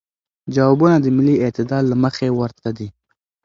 جوابونه د ملی اعتدال له مخې ورته دی.